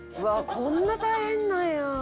「うわこんな大変なんや」